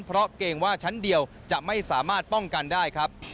เพราะเกรงว่าชั้นเดียวจะไม่สามารถป้องกันได้ครับ